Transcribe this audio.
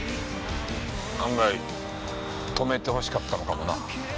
案外止めてほしかったのかもな。